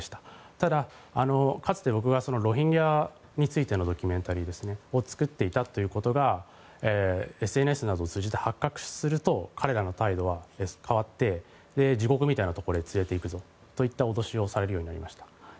ただ、かつて僕がロヒンギャについてのドキュメンタリーを作っていたということがＳＮＳなどを通じて発覚すると彼らの態度は変わって地獄みたいなところへ連れていくぞといった脅しを受けました。